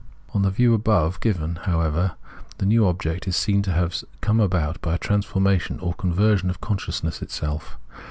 On the view above given, however, the new object is seen to have come about by a transformation or conversion of consciousness itself.